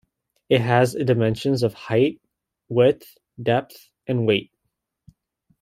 It has dimensions of height, width, depth and weight.